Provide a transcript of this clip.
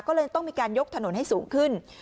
ก็เลยต้องมีการยกถนนให้สูงขึ้น